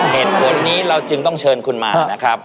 เหตุผลนี้เราจึงต้องเชิญคุณมานะครับ